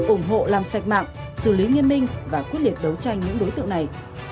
ủng hộ làm sạch mạng xử lý nghiêm minh và quyết liệt đấu tranh những đối tượng này